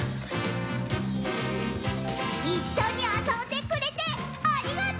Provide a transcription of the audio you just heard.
いっしょにあそんでくれてありがとう。